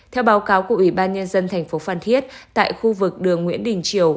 theo báo cáo của ủy ban nhân dân tp phan thiết tại khu vực đường nguyễn đình triều